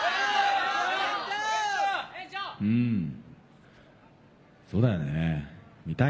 うんそうだよね。